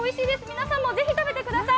皆さんもぜひ食べてください。